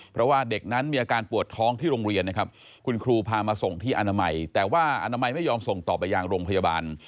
เพราะว่าเด็กนั้นมีอาการปวดท้องที่โรงเรียนนะครับคุณครูพามาส่งที่อนามัยแต่ว่าอนามัยไม่ยอมส่งต่อไปยังโรงพยาบาล